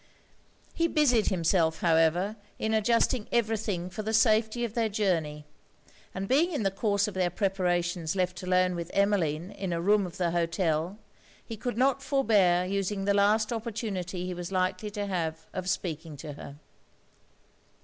He busied himself, however, in adjusting every thing for the safety of their journey; and being in the course of their preparations left alone with Emmeline in a room of the hotel, he could not forbear using the last opportunity he was likely to have of speaking to her.